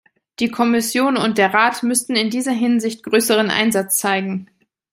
Die Kommission und der Rat müssten in dieser Hinsicht größeren Einsatz zeigen.